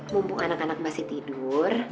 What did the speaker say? mumpung anak anak masih tidur